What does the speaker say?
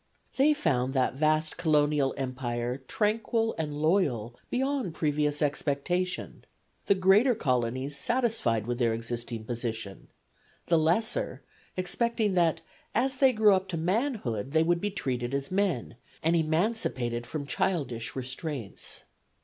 They found that vast colonial empire tranquil and loyal beyond previous expectation the greater colonies satisfied with their existing position; the lesser expecting that as they grew up to manhood they would be treated as men, and emancipated from childish restraints.